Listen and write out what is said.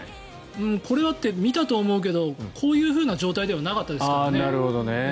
見たと思うけどこういうふうな状態ではなかったですから。